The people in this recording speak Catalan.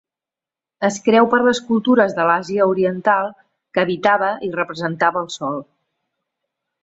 Es creu per les cultures de l'Àsia oriental que habitava i representava al Sol.